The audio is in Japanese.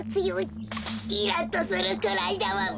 イラッとするくらいだわべ。